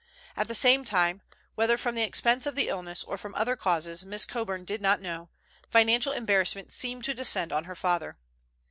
At the same time, whether from the expense of the illness or from other causes Miss Coburn did not know, financial embarrassment seemed to descend on her father.